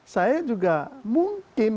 saya juga mungkin